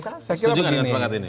saya kira begini